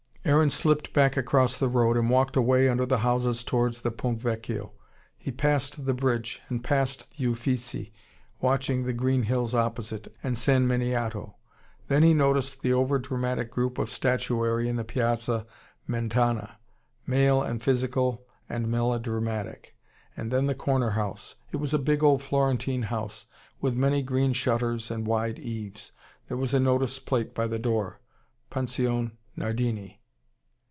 Aaron slipped back across the road, and walked away under the houses towards the Ponte Vecchio. He passed the bridge and passed the Uffizi watching the green hills opposite, and San Miniato. Then he noticed the over dramatic group of statuary in the Piazza Mentana male and physical and melodramatic and then the corner house. It was a big old Florentine house, with many green shutters and wide eaves. There was a notice plate by the door "Pension Nardini."